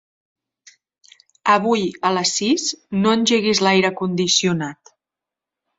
Avui a les sis no engeguis l'aire condicionat.